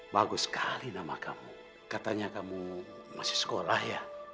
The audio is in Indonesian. bagus sekali nama kamu katanya kamu masih sekolah ya